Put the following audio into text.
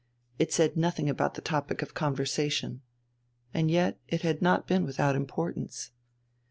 It said nothing about the topic of the conversation. And yet it had not been without importance.